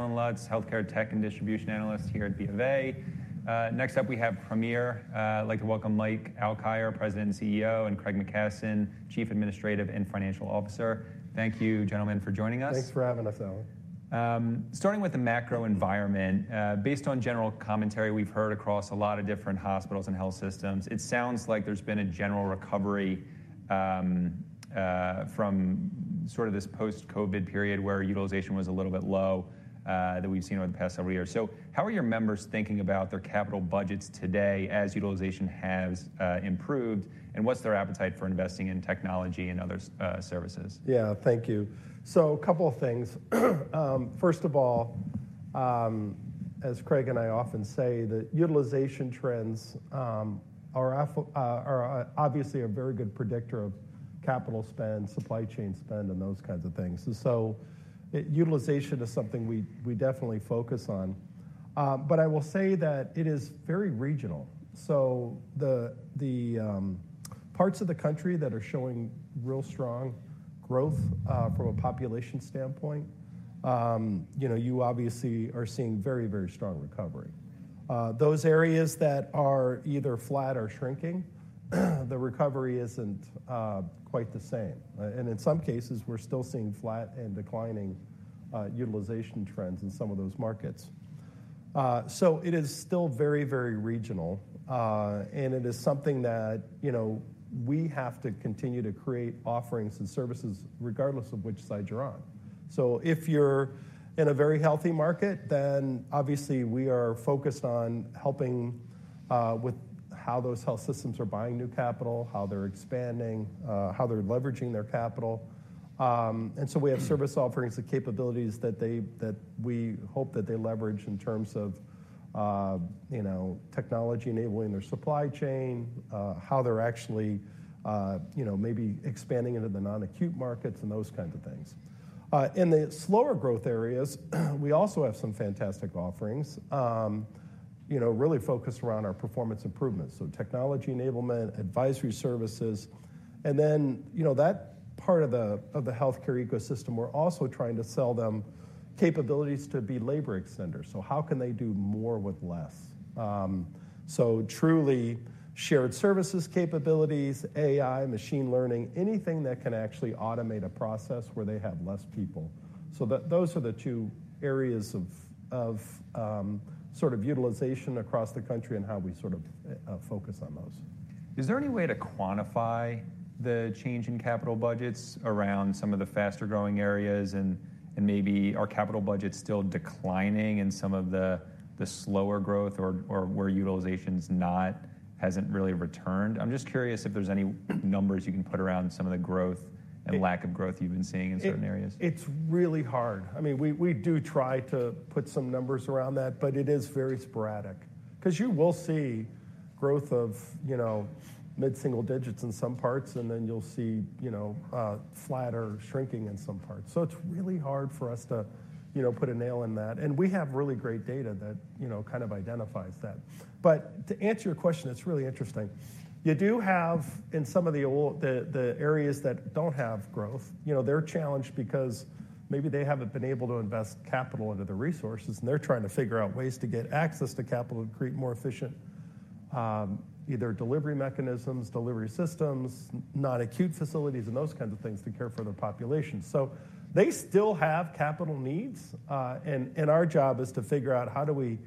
Lutz, Healthcare Tech and Distribution Analyst here at B of A. Next up we have Premier. I'd like to welcome Mike Alkire, President and CEO, and Craig McKasson, Chief Administrative and Financial Officer. Thank you, gentlemen, for joining us. Thanks for having us, Allen. Starting with the macro environment, based on general commentary we've heard across a lot of different hospitals and health systems, it sounds like there's been a general recovery, from sort of this post-COVID period where utilization was a little bit low, that we've seen over the past several years. How are your members thinking about their capital budgets today as utilization has improved, and what's their appetite for investing in technology and other services? Yeah, thank you. So a couple of things. First of all, as Craig and I often say, the utilization trends are obviously a very good predictor of capital spend, supply chain spend, and those kinds of things. And so utilization is something we definitely focus on. But I will say that it is very regional. So the parts of the country that are showing real strong growth, from a population standpoint, you know, you obviously are seeing very, very strong recovery. Those areas that are either flat or shrinking, the recovery isn't quite the same. And in some cases, we're still seeing flat and declining utilization trends in some of those markets. So it is still very, very regional, and it is something that, you know, we have to continue to create offerings and services regardless of which side you're on. So if you're in a very healthy market, then obviously we are focused on helping with how those health systems are buying new capital, how they're expanding, how they're leveraging their capital. And so we have service offerings and capabilities that they that we hope that they leverage in terms of, you know, technology enabling their supply chain, how they're actually, you know, maybe expanding into the non-acute markets and those kinds of things. In the slower growth areas, we also have some fantastic offerings, you know, really focused around our performance improvements. So technology enablement, advisory services. And then, you know, that part of the healthcare ecosystem, we're also trying to sell them capabilities to be labor extenders. So how can they do more with less? So truly shared services capabilities, AI, machine learning, anything that can actually automate a process where they have less people. So those are the two areas of sort of utilization across the country and how we sort of focus on those. Is there any way to quantify the change in capital budgets around some of the faster-growing areas and maybe are capital budgets still declining in some of the slower growth or where utilization's hasn't really returned? I'm just curious if there's any numbers you can put around some of the growth and lack of growth you've been seeing in certain areas. It's really hard. I mean, we do try to put some numbers around that, but it is very sporadic. 'Cause you will see growth of, you know, mid-single digits in some parts, and then you'll see, you know, flat or shrinking in some parts. So it's really hard for us to, you know, put a nail in that. And we have really great data that, you know, kind of identifies that. But to answer your question, it's really interesting. You do have in some of the old the areas that don't have growth, you know, they're challenged because maybe they haven't been able to invest capital into the resources, and they're trying to figure out ways to get access to capital to create more efficient, either delivery mechanisms, delivery systems, non-acute facilities, and those kinds of things to care for their population. So they still have capital needs, and our job is to figure out how do we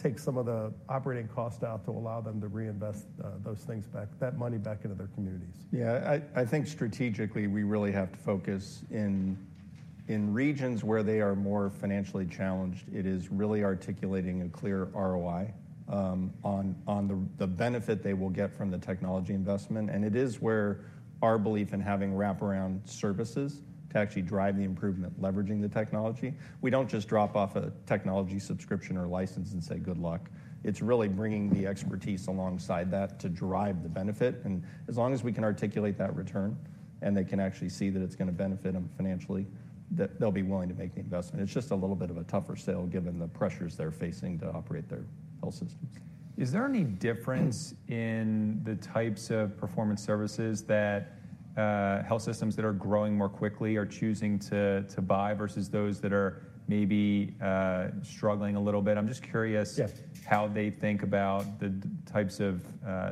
take some of the operating costs out to allow them to reinvest those things back that money back into their communities. Yeah. I think strategically, we really have to focus in regions where they are more financially challenged, it is really articulating a clear ROI on the benefit they will get from the technology investment. And it is where our belief in having wraparound services to actually drive the improvement leveraging the technology. We don't just drop off a technology subscription or license and say, "Good luck." It's really bringing the expertise alongside that to drive the benefit. And as long as we can articulate that return and they can actually see that it's gonna benefit them financially, that they'll be willing to make the investment. It's just a little bit of a tougher sale given the pressures they're facing to operate their health systems. Is there any difference in the types of performance services that health systems that are growing more quickly are choosing to buy versus those that are maybe struggling a little bit? I'm just curious. Yes. How they think about the types of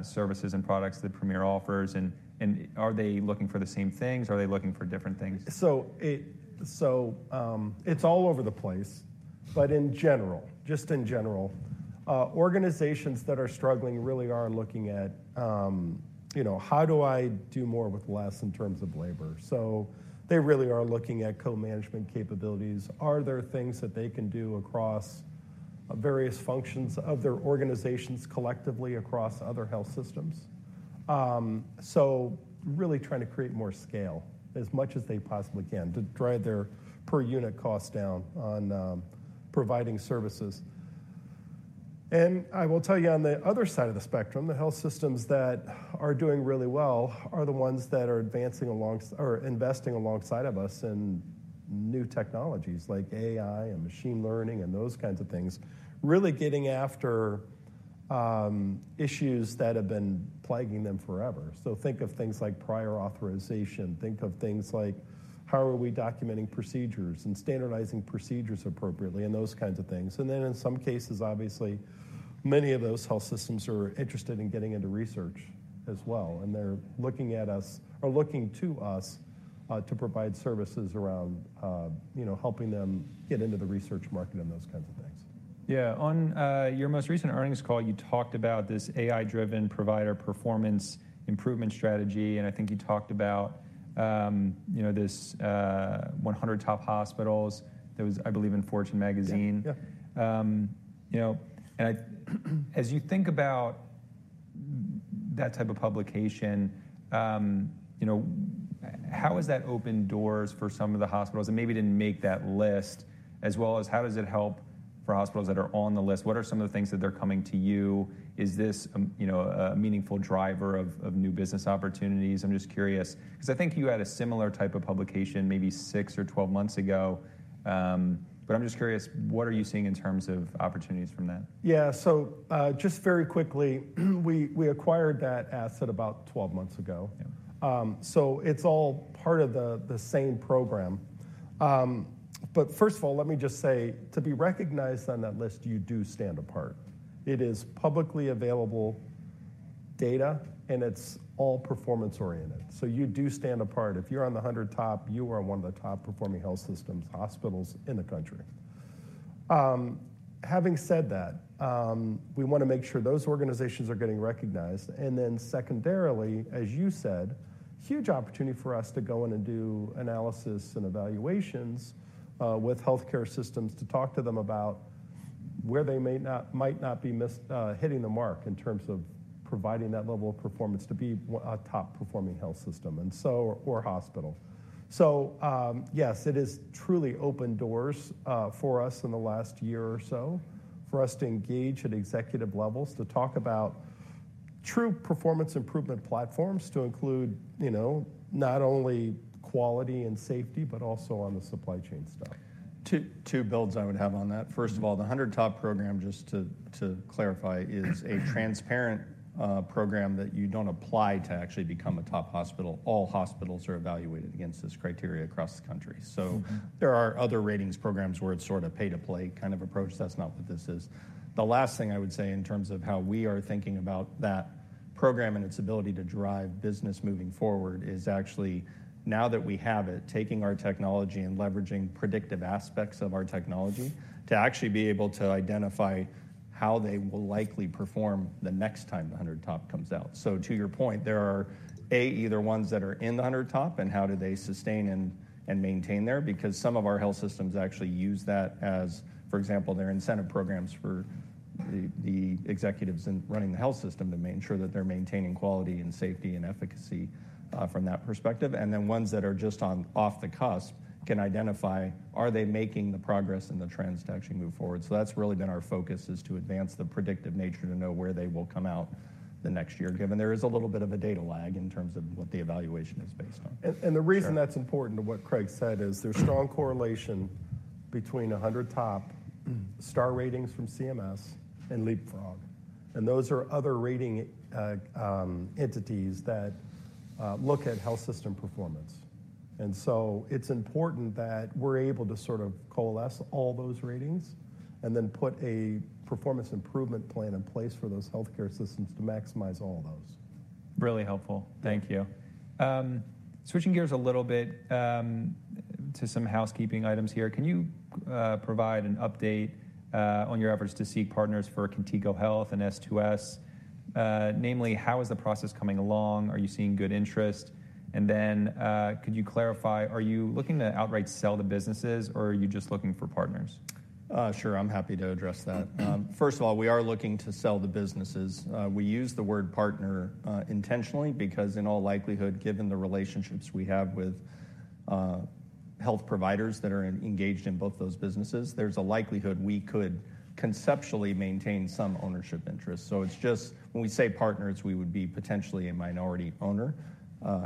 services and products that Premier offers? And are they looking for the same things? Are they looking for different things? So it's all over the place. But in general, just in general, organizations that are struggling really are looking at, you know, how do I do more with less in terms of labor? So they really are looking at co-management capabilities. Are there things that they can do across various functions of their organizations collectively across other health systems? So really trying to create more scale as much as they possibly can to drive their per-unit cost down on providing services. And I will tell you, on the other side of the spectrum, the health systems that are doing really well are the ones that are advancing alongside or investing alongside of us in new technologies like AI and machine learning and those kinds of things, really getting after issues that have been plaguing them forever. So think of things like prior authorization. Think of things like, how are we documenting procedures and standardizing procedures appropriately and those kinds of things. Then in some cases, obviously, many of those health systems are interested in getting into research as well. They're looking at us or looking to us, to provide services around, you know, helping them get into the research market and those kinds of things. Yeah. On your most recent earnings call, you talked about this AI-driven provider performance improvement strategy. And I think you talked about, you know, this 100 Top Hospitals. There was, I believe, in Fortune magazine. Yeah. Yeah. You know, and I as you think about that type of publication, you know, how has that opened doors for some of the hospitals that maybe didn't make that list, as well as how does it help for hospitals that are on the list? What are some of the things that they're coming to you? Is this, you know, a meaningful driver of, of new business opportunities? I'm just curious 'cause I think you had a similar type of publication maybe 6 or 12 months ago. But I'm just curious, what are you seeing in terms of opportunities from that? Yeah. So, just very quickly, we acquired that asset about 12 months ago. Yeah. So it's all part of the same program. But first of all, let me just say, to be recognized on that list, you do stand apart. It is publicly available data, and it's all performance-oriented. So you do stand apart. If you're on the 100 Top, you are one of the top-performing health systems, hospitals in the country. Having said that, we wanna make sure those organizations are getting recognized. And then secondarily, as you said, huge opportunity for us to go in and do analysis and evaluations with healthcare systems to talk to them about where they may not be missing the mark in terms of providing that level of performance to be a top-performing health system and so or hospital. Yes, it has truly opened doors, for us in the last year or so for us to engage at executive levels to talk about true performance improvement platforms to include, you know, not only quality and safety but also on the supply chain stuff. Two, two builds I would have on that. First of all, the 100 Top program, just to, to clarify, is a transparent program that you don't apply to actually become a top hospital. All hospitals are evaluated against this criteria across the country. So there are other ratings programs where it's sort of pay-to-play kind of approach. That's not what this is. The last thing I would say in terms of how we are thinking about that program and its ability to drive business moving forward is actually, now that we have it, taking our technology and leveraging predictive aspects of our technology to actually be able to identify how they will likely perform the next time the 100 Top comes out. So to your point, there are, A, either ones that are in the 100 Top, and how do they sustain and, and maintain there? Because some of our health systems actually use that as, for example, there are incentive programs for the executives in running the health system to make sure that they're maintaining quality and safety and efficacy from that perspective. And then ones that are just off the cuff can identify, are they making the progress and the trends to actually move forward? So that's really been our focus, is to advance the predictive nature to know where they will come out the next year given there is a little bit of a data lag in terms of what the evaluation is based on. And the reason that's important to what Craig said is there's strong correlation between 100 Top, Star Ratings from CMS, and Leapfrog. And those are other rating entities that look at health system performance. And so it's important that we're able to sort of coalesce all those ratings and then put a performance improvement plan in place for those healthcare systems to maximize all those. Really helpful. Thank you. Switching gears a little bit to some housekeeping items here. Can you provide an update on your efforts to seek partners for Contigo Health and S2S? Namely, how is the process coming along? Are you seeing good interest? And then, could you clarify, are you looking to outright sell the businesses, or are you just looking for partners? Sure. I'm happy to address that. First of all, we are looking to sell the businesses. We use the word partner intentionally because in all likelihood, given the relationships we have with health providers that are engaged in both those businesses, there's a likelihood we could conceptually maintain some ownership interest. So it's just when we say partners, we would be potentially a minority owner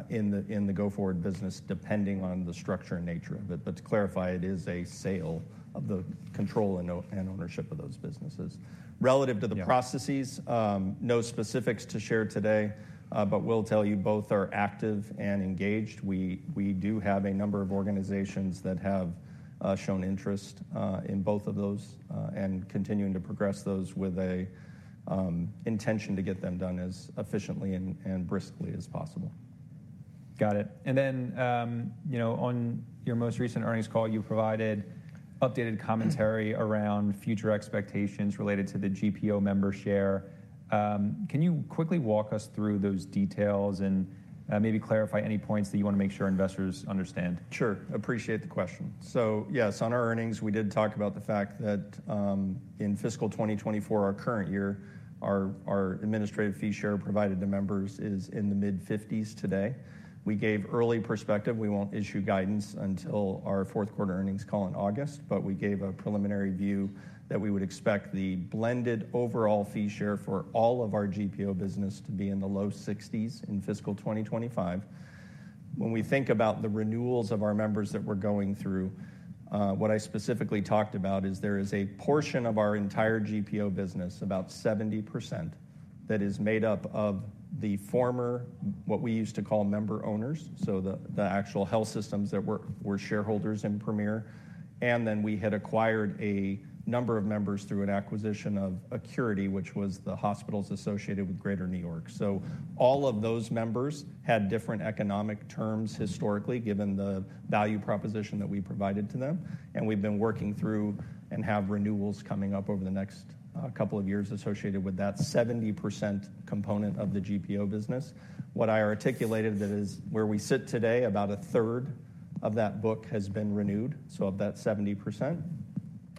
in the go-forward business depending on the structure and nature of it. But to clarify, it is a sale of the control and ownership of those businesses. Relative to the processes. Yes. No specifics to share today, but will tell you both are active and engaged. We do have a number of organizations that have shown interest in both of those, and continuing to progress those with an intention to get them done as efficiently and briskly as possible. Got it. And then, you know, on your most recent earnings call, you provided updated commentary around future expectations related to the GPO membership share. Can you quickly walk us through those details and, maybe clarify any points that you wanna make sure investors understand? Sure. Appreciate the question. So yes, on our earnings, we did talk about the fact that, in fiscal 2024, our current year, our, our administrative fee share provided to members is in the mid-50s today. We gave early perspective. We won't issue guidance until our fourth quarter earnings call in August. But we gave a preliminary view that we would expect the blended overall fee share for all of our GPO business to be in the low 60s in fiscal 2025. When we think about the renewals of our members that we're going through, what I specifically talked about is there is a portion of our entire GPO business, about 70%, that is made up of the former what we used to call Member Owners, so the, the actual health systems that were, were shareholders in Premier. We had acquired a number of members through an acquisition of Acurity, which was the hospitals associated with Greater New York. So all of those members had different economic terms historically given the value proposition that we provided to them. We've been working through and have renewals coming up over the next couple of years associated with that 70% component of the GPO business. What I articulated, that is where we sit today, about a third of that book has been renewed, so of that 70%.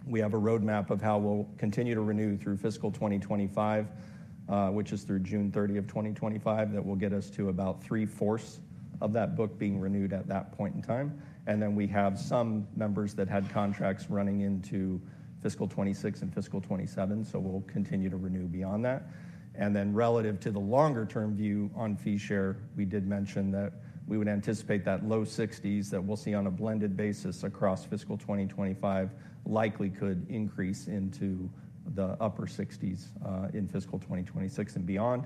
We have a roadmap of how we'll continue to renew through fiscal 2025, which is through June 30th of 2025, that will get us to about three-fourths of that book being renewed at that point in time. We have some members that had contracts running into fiscal 2026 and fiscal 2027, so we'll continue to renew beyond that. Relative to the longer-term view on fee share, we did mention that we would anticipate that low 60s that we'll see on a blended basis across fiscal 2025 likely could increase into the upper 60s, in fiscal 2026 and beyond.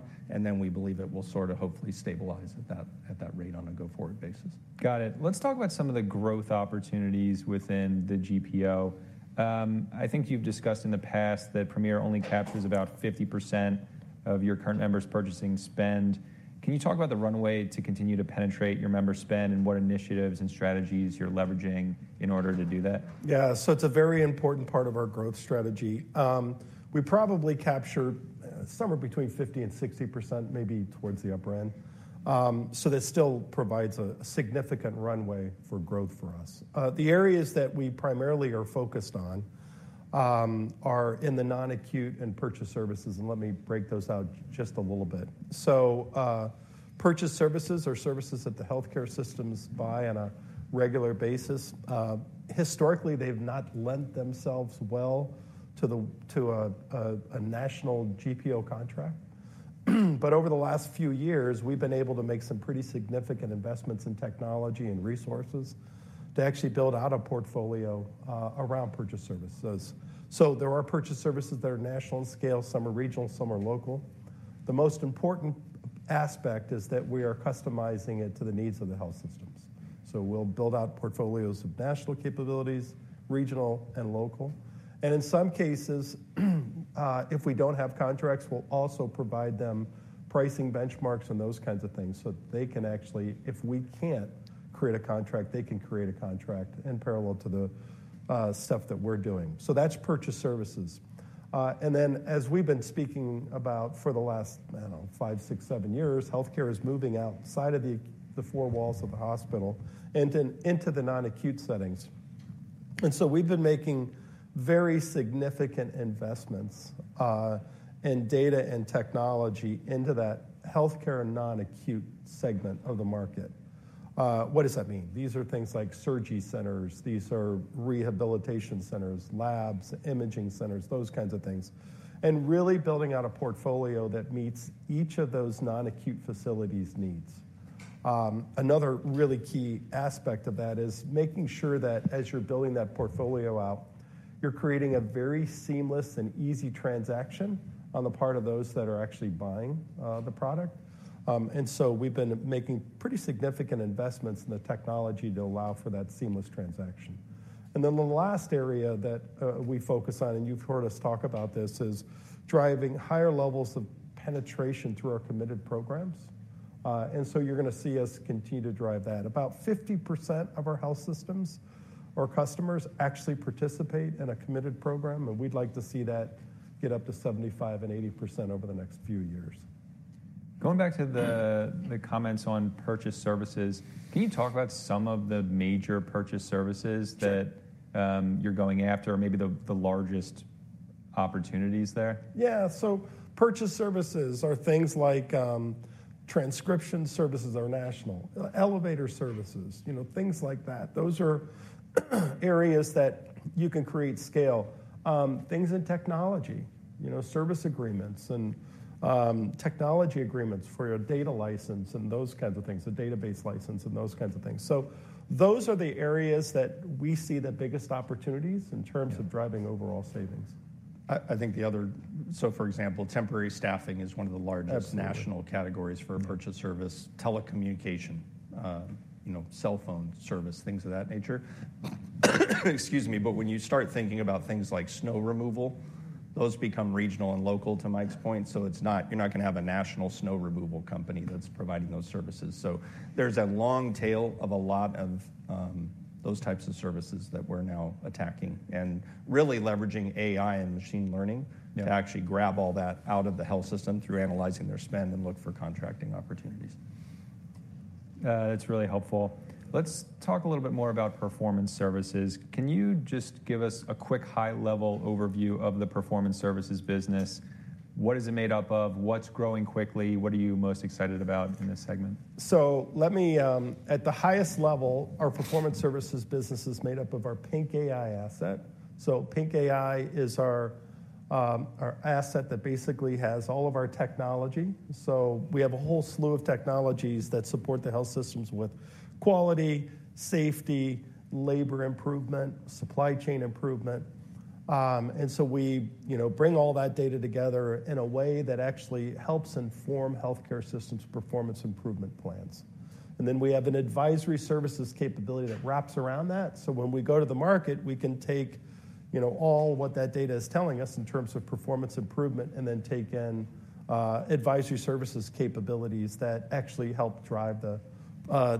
We believe it will sort of hopefully stabilize at that at that rate on a go-forward basis. Got it. Let's talk about some of the growth opportunities within the GPO. I think you've discussed in the past that Premier only captures about 50% of your current members' purchasing spend. Can you talk about the runway to continue to penetrate your members' spend and what initiatives and strategies you're leveraging in order to do that? Yeah. So it's a very important part of our growth strategy. We probably capture, somewhere between 50%-60%, maybe towards the upper end. So that still provides a significant runway for growth for us. The areas that we primarily are focused on are in the non-acute and purchased services. And let me break those out just a little bit. So, purchased services are services that the healthcare systems buy on a regular basis. Historically, they've not lent themselves well to a national GPO contract. But over the last few years, we've been able to make some pretty significant investments in technology and resources to actually build out a portfolio around purchased services. So there are purchased services that are national in scale. Some are regional. Some are local. The most important aspect is that we are customizing it to the needs of the health systems. So we'll build out portfolios of national capabilities, regional, and local. And in some cases, if we don't have contracts, we'll also provide them pricing benchmarks and those kinds of things so that they can actually if we can't create a contract, they can create a contract in parallel to the stuff that we're doing. So that's purchase services. And then as we've been speaking about for the last, I don't know, 5, 6, 7 years, healthcare is moving outside of the four walls of the hospital and into the non-acute settings. And so we've been making very significant investments in data and technology into that healthcare non-acute segment of the market. What does that mean? These are things like surgery centers. These are rehabilitation centers, labs, imaging centers, those kinds of things, and really building out a portfolio that meets each of those non-acute facilities' needs. Another really key aspect of that is making sure that as you're building that portfolio out, you're creating a very seamless and easy transaction on the part of those that are actually buying the product. So we've been making pretty significant investments in the technology to allow for that seamless transaction. Then the last area that we focus on, and you've heard us talk about this, is driving higher levels of penetration through our committed programs. So you're gonna see us continue to drive that. About 50% of our health systems or customers actually participate in a committed program. We'd like to see that get up to 75%-80% over the next few years. Going back to the comments on purchase services, can you talk about some of the major purchase services that you're going after or maybe the largest opportunities there? Yeah. So Purchase Services are things like, transcription services are national, elevator services, you know, things like that. Those are areas that you can create scale. Things in technology, you know, service agreements and, technology agreements for your data license and those kinds of things, the database license and those kinds of things. So those are the areas that we see the biggest opportunities in terms of driving overall savings. I think the other. So, for example, temporary staffing is one of the largest. Absolutely. National categories for a purchase service. Telecommunication, you know, cell phone service, things of that nature. Excuse me. But when you start thinking about things like snow removal, those become regional and local, to Mike's point. So it's not you're not gonna have a national snow removal company that's providing those services. So there's a long tail of a lot of, those types of services that we're now attacking and really leveraging AI and machine learning. Yeah. To actually grab all that out of the health system through analyzing their spend and look for contracting opportunities. That's really helpful. Let's talk a little bit more about performance services. Can you just give us a quick high-level overview of the performance services business? What is it made up of? What's growing quickly? What are you most excited about in this segment? So let me, at the highest level, our performance services business is made up of our PINC AI asset. So PINC AI is our, our asset that basically has all of our technology. So we have a whole slew of technologies that support the health systems with quality, safety, labor improvement, supply chain improvement, and so we, you know, bring all that data together in a way that actually helps inform healthcare systems' performance improvement plans. And then we have an advisory services capability that wraps around that. So when we go to the market, we can take, you know, all what that data is telling us in terms of performance improvement and then take in advisory services capabilities that actually help drive the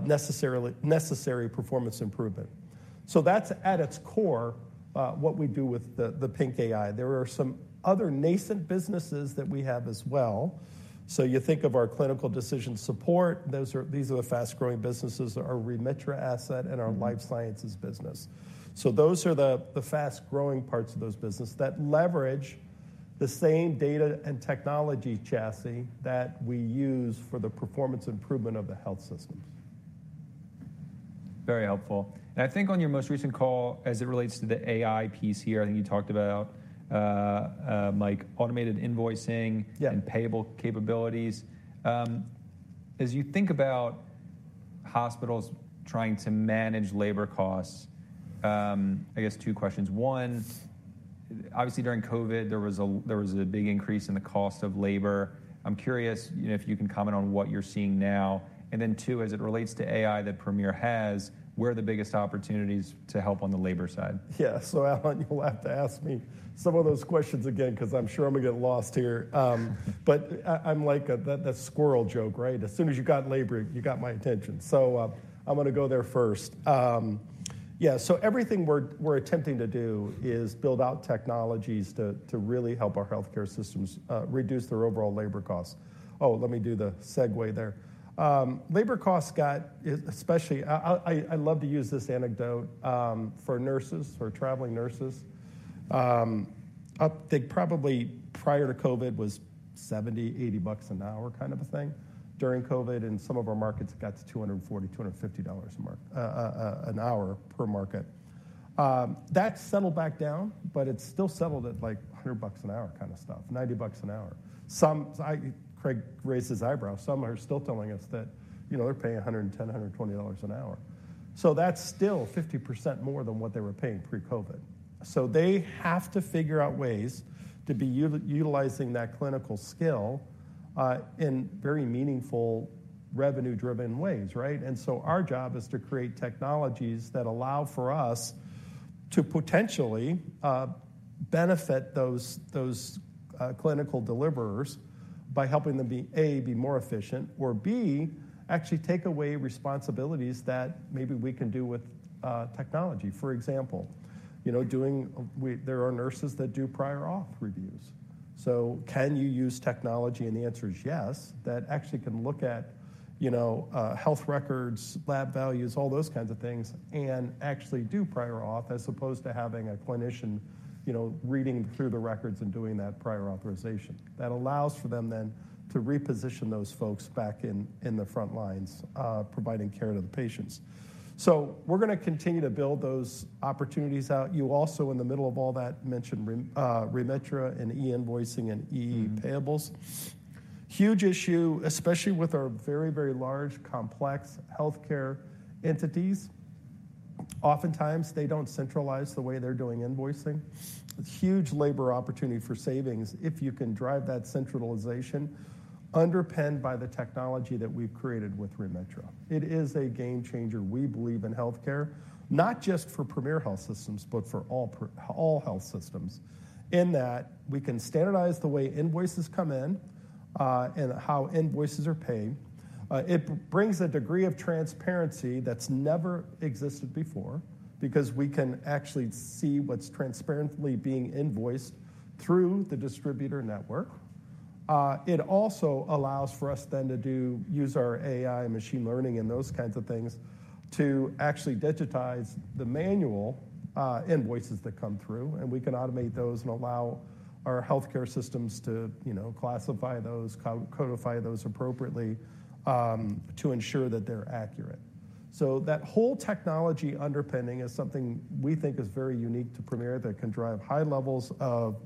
necessarily necessary performance improvement. So that's, at its core, what we do with the PINC AI. There are some other nascent businesses that we have as well. So you think of our clinical decision support. Those are. These are the fast-growing businesses, our Remitra asset and our life sciences business. So those are the fast-growing parts of those businesses that leverage the same data and technology chassis that we use for the performance improvement of the health systems. Very helpful. I think on your most recent call, as it relates to the AI piece here, I think you talked about, Mike, automated invoicing. Yeah. And payable capabilities. As you think about hospitals trying to manage labor costs, I guess two questions. One, obviously, during COVID, there was a big increase in the cost of labor. I'm curious, you know, if you can comment on what you're seeing now. And then two, as it relates to AI that Premier has, where are the biggest opportunities to help on the labor side? Yeah. So Allen, you'll have to ask me some of those questions again 'cause I'm sure I'm gonna get lost here. But I'm like that squirrel joke, right? As soon as you got labor, you got my attention. So, I'm gonna go there first. Yeah. So everything we're attempting to do is build out technologies to really help our healthcare systems reduce their overall labor costs. Oh, let me do the segue there. Labor costs got especially. I love to use this anecdote for nurses, for traveling nurses. Up, they probably prior to COVID was $70-$80 an hour kind of a thing. During COVID, in some of our markets, it got to $240-$250 an hour per market. That settled back down, but it's still settled at like $100 an hour kind of stuff, $90 an hour. So I see Craig raises his eyebrow. Some are still telling us that, you know, they're paying $110, $120 an hour. So that's still 50% more than what they were paying pre-COVID. So they have to figure out ways to be utilizing that clinical skill, in very meaningful, revenue-driven ways, right? And so our job is to create technologies that allow for us to potentially benefit those clinical deliverers by helping them be A, more efficient, or B, actually take away responsibilities that maybe we can do with technology. For example, you know, there are nurses that do prior auth reviews. So can you use technology? And the answer is yes. That actually can look at, you know, health records, lab values, all those kinds of things, and actually do prior auth as opposed to having a clinician, you know, reading through the records and doing that prior authorization. That allows for them then to reposition those folks back in, in the front lines, providing care to the patients. So we're gonna continue to build those opportunities out. You also, in the middle of all that, mentioned Remitra and e-invoicing and e-payables. Huge issue, especially with our very, very large, complex healthcare entities. Oftentimes, they don't centralize the way they're doing invoicing. Huge labor opportunity for savings if you can drive that centralization underpinned by the technology that we've created with Remitra. It is a game changer, we believe, in healthcare, not just for Premier Health Systems but for all health systems in that we can standardize the way invoices come in, and how invoices are paid. It brings a degree of transparency that's never existed before because we can actually see what's transparently being invoiced through the distributor network. It also allows for us then to use our AI and machine learning and those kinds of things to actually digitize the manual invoices that come through. We can automate those and allow our healthcare systems to, you know, classify those, codify those appropriately, to ensure that they're accurate. That whole technology underpinning is something we think is very unique to Premier that can drive high levels of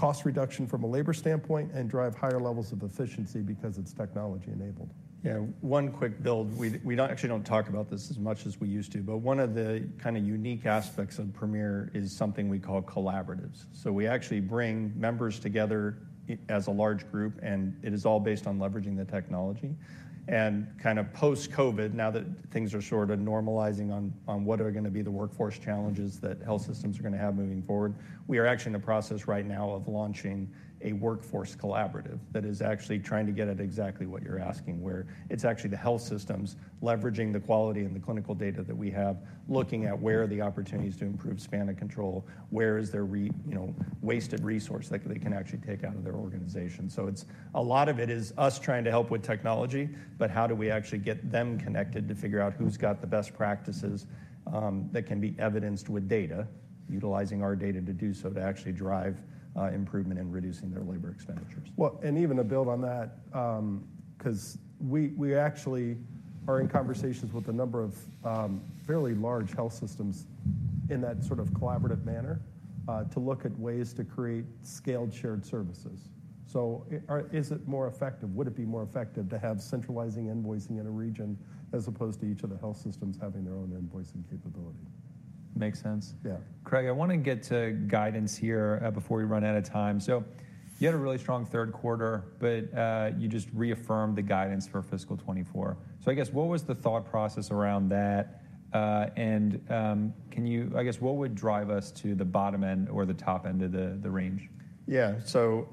cost reduction from a labor standpoint and drive higher levels of efficiency because it's technology-enabled. Yeah. One quick build. We don't actually talk about this as much as we used to. But one of the kind of unique aspects of Premier is something we call collaboratives. So we actually bring members together as a large group. And it is all based on leveraging the technology. And kind of post-COVID, now that things are sort of normalizing on what are gonna be the workforce challenges that health systems are gonna have moving forward, we are actually in the process right now of launching a workforce collaborative that is actually trying to get at exactly what you're asking, where it's actually the health systems leveraging the quality and the clinical data that we have, looking at where are the opportunities to improve span of control, where is there, you know, wasted resource that they can actually take out of their organization. It's a lot of it is us trying to help with technology, but how do we actually get them connected to figure out who's got the best practices that can be evidenced with data, utilizing our data to do so to actually drive improvement in reducing their labor expenditures. Well, and even to build on that, 'cause we, we actually are in conversations with a number of fairly large health systems in that sort of collaborative manner, to look at ways to create scaled shared services. So, is it more effective? Would it be more effective to have centralizing invoicing in a region as opposed to each of the health systems having their own invoicing capability? Makes sense. Yeah. Craig, I wanna get to guidance here, before we run out of time. So you had a really strong third quarter, but you just reaffirmed the guidance for fiscal 2024. So I guess what was the thought process around that? And can you, I guess, what would drive us to the bottom end or the top end of the range? Yeah. So,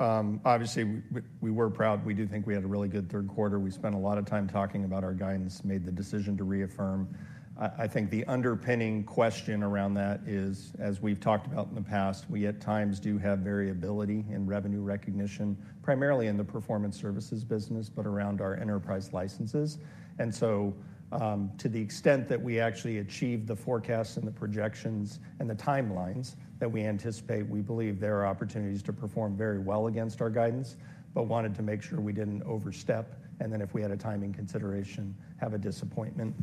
obviously, we were proud. We do think we had a really good third quarter. We spent a lot of time talking about our guidance, made the decision to reaffirm. I think the underpinning question around that is, as we've talked about in the past, we at times do have variability in revenue recognition, primarily in the performance services business but around our enterprise licenses. And so, to the extent that we actually achieve the forecasts and the projections and the timelines that we anticipate, we believe there are opportunities to perform very well against our guidance but wanted to make sure we didn't overstep and then, if we had a time in consideration, have a disappointment,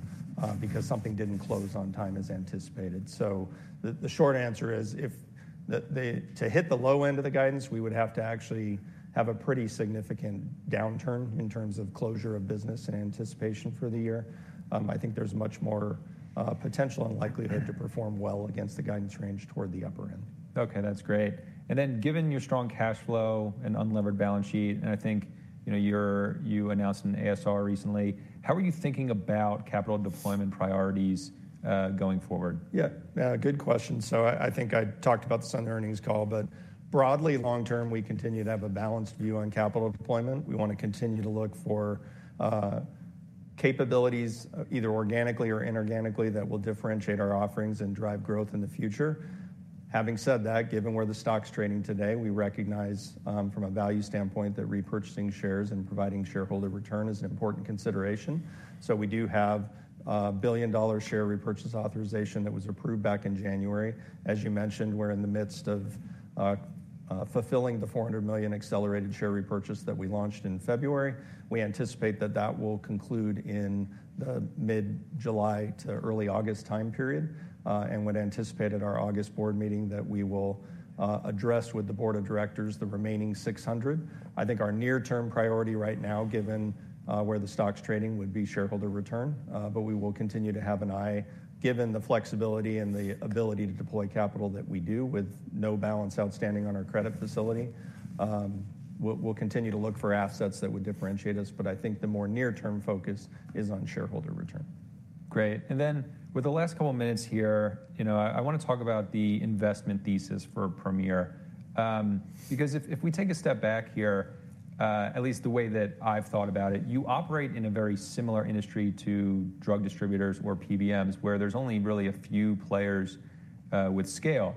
because something didn't close on time as anticipated. So the short answer is, if to hit the low end of the guidance, we would have to actually have a pretty significant downturn in terms of closure of business and anticipation for the year. I think there's much more potential and likelihood to perform well against the guidance range toward the upper end. Okay. That's great. Then given your strong cash flow and unlevered balance sheet, and I think, you know, you announced an ASR recently, how are you thinking about capital deployment priorities, going forward? Yeah. Good question. So I, I think I talked about this on the earnings call. But broadly, long term, we continue to have a balanced view on capital deployment. We wanna continue to look for, capabilities, either organically or inorganically, that will differentiate our offerings and drive growth in the future. Having said that, given where the stock's trading today, we recognize, from a value standpoint that repurchasing shares and providing shareholder return is an important consideration. So we do have, billion-dollar share repurchase authorization that was approved back in January. As you mentioned, we're in the midst of, fulfilling the $400 million accelerated share repurchase that we launched in February. We anticipate that that will conclude in the mid-July to early August time period, and would anticipate at our August board meeting that we will, address with the board of directors the remaining $600 million. I think our near-term priority right now, given where the stock's trading, would be shareholder return. But we will continue to have an eye, given the flexibility and the ability to deploy capital that we do with no balance outstanding on our credit facility. We'll continue to look for assets that would differentiate us. But I think the more near-term focus is on shareholder return. Great. And then with the last couple minutes here, you know, I wanna talk about the investment thesis for Premier. Because if we take a step back here, at least the way that I've thought about it, you operate in a very similar industry to drug distributors or PBMs where there's only really a few players, with scale.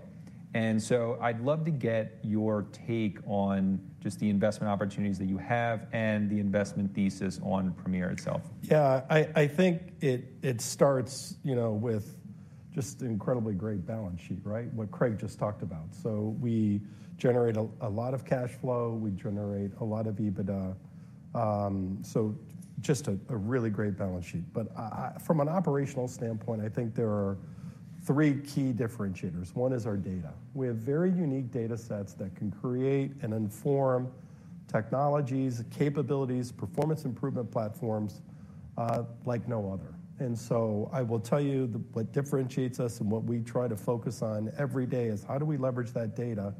And so I'd love to get your take on just the investment opportunities that you have and the investment thesis on Premier itself. Yeah. I think it starts, you know, with just an incredibly great balance sheet, right, what Craig just talked about. So we generate a lot of cash flow. We generate a lot of EBITDA. So just a really great balance sheet. But from an operational standpoint, I think there are three key differentiators. One is our data. We have very unique data sets that can create and inform technologies, capabilities, performance improvement platforms, like no other. And so I will tell you what differentiates us and what we try to focus on every day is how do we leverage that data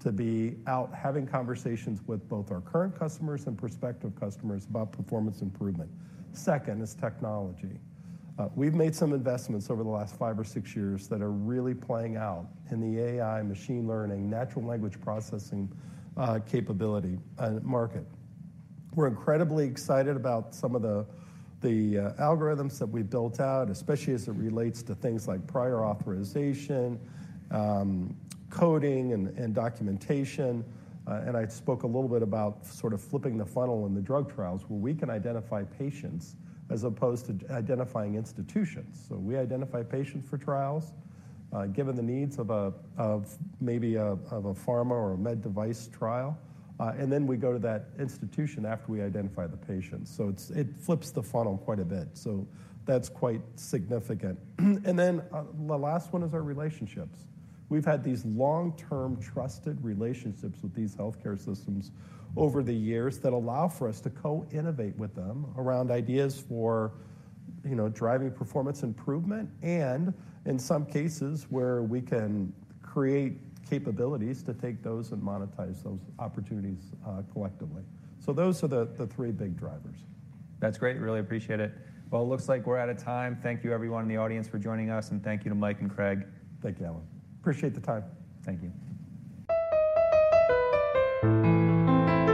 to be out having conversations with both our current customers and prospective customers about performance improvement. Second is technology. We've made some investments over the last five or six years that are really playing out in the AI, machine learning, natural language processing capability market. We're incredibly excited about some of the, the, algorithms that we've built out, especially as it relates to things like prior authorization, coding and, and documentation. I spoke a little bit about sort of flipping the funnel in the drug trials where we can identify patients as opposed to identifying institutions. So we identify patients for trials, given the needs of a of maybe a of a pharma or a med device trial. And then we go to that institution after we identify the patient. So it's it flips the funnel quite a bit. So that's quite significant. And then, the last one is our relationships. We've had these long-term trusted relationships with these healthcare systems over the years that allow for us to co-innovate with them around ideas for, you know, driving performance improvement and, in some cases, where we can create capabilities to take those and monetize those opportunities, collectively. So those are the three big drivers. That's great. Really appreciate it. Well, it looks like we're out of time. Thank you, everyone in the audience, for joining us. And thank you to Mike and Craig. Thank you, Allen. Appreciate the time. Thank you.